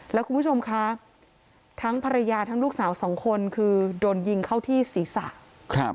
แล้วคุณผู้ชมคะทั้งภรรยาทั้งลูกสาวสองคนคือโดนยิงเข้าที่ศีรษะครับ